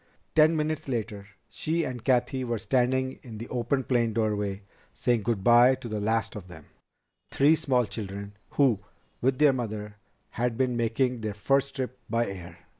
Ten minutes later she and Cathy were standing in the open plane doorway saying good by to the last of them, three small children, who, with their mother, had been making their first trip by air.